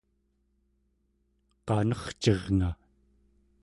qanercirnga!